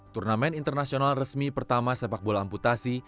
turnamen internasional resmi pertama sepak bola amputasi